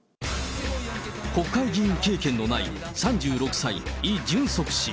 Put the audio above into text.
国会議員経験のない３６歳、イ・ジュンソク氏。